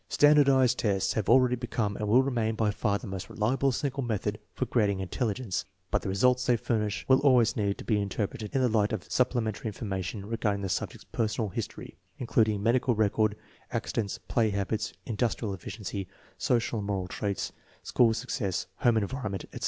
^Standardized tests have already become and will remain by far the most reliable single method for grad ing intelligence, but the results they furnish will always need to be interpreted in the light of supplementary information regarding the subject's personal history Including medical record, accidents, play habits, industrial efficiency, social and moral traits, school success, home environment, e0.